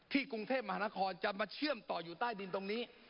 กรุงเทพมหานครจะมาเชื่อมต่ออยู่ใต้ดินตรงนี้